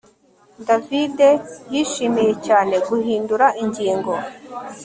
David yishimiye cyane guhindura ingingo